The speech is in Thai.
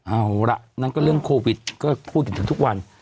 เอาละอันนั่นก็เรื่องโควิด๑๙ก็พูดถึงทุกวัน